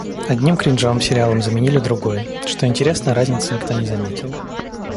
Одним кринжовым сериалом заменили другой. Что интересно, разницы никто не заметил.